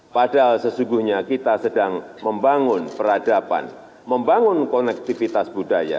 padahal sesungguhnya kita sedang membangun peradaban membangun konektivitas budaya